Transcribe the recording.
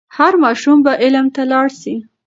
هر ماشوم به علم ته لاړ سي.